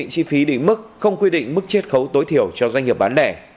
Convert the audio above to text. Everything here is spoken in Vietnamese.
chi phí định mức không quy định mức chết khấu tối thiểu cho doanh nghiệp bán nẻ